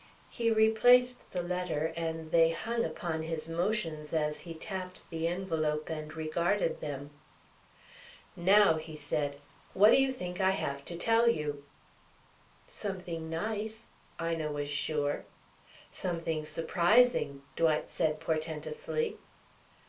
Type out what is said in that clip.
He replaced the letter, and they hung upon his motions as he tapped the envelope and regarded them. "Now!" said he. "What do you think I have to tell you?" "Something nice," Ina was sure. "Something surprising," Dwight said portentously.